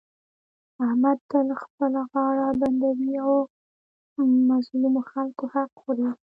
احمد تل خپله غاړه بندوي او د مظلومو خلکو حق خوري.